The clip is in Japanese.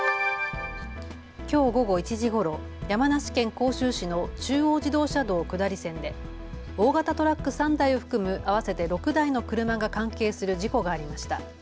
きょう午後１時ごろ、山梨県甲州市の中央自動車道下り線で大型トラック３台を含む合わせて６台の車が関係する事故がありました。